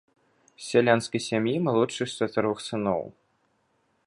З сялянскай сям'і, малодшы з чатырох сыноў.